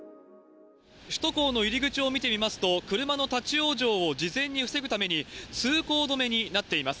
首都高の入り口を見てみますと、車の立往生を事前に防ぐために、通行止めになっています。